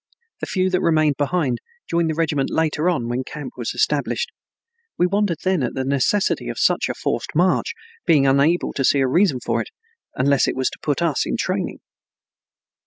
The few that remained behind joined the regiment later on when camp was established. We wondered then at the necessity of such a forced march, being unable to see a reason for it, unless it was to put us in training.